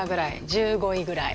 １５位ぐらい。